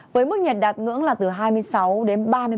với mức nhiệt đạt ngưỡng là từ hai mươi năm ba mươi năm độ